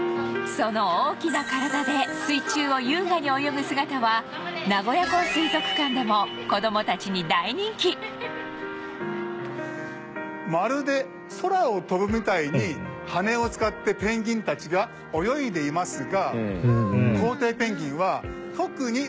その大きな体で水中を優雅に泳ぐ姿は名古屋港水族館でもまるで空を飛ぶみたいに羽を使ってペンギンたちが泳いでいますが。